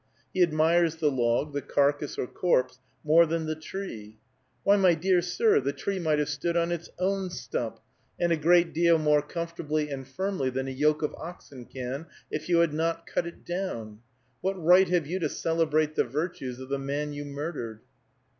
He admires the log, the carcass or corpse, more than the tree. Why, my dear sir, the tree might have stood on its own stump, and a great deal more comfortably and firmly than a yoke of oxen can, if you had not cut it down. What right have you to celebrate the virtues of the man you murdered?